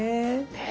ねえ。